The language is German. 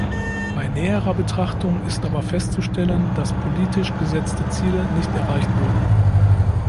Bei näherer Betrachtung ist aber festzustellen, dass politisch gesetzte Ziele nicht erreicht wurden.